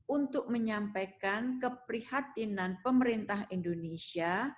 untuk menyampaikan keprihatinan pemerintah indonesia